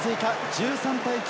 １３対９。